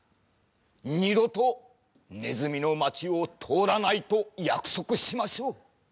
二度とねずみの町を通らないと約束しましょう。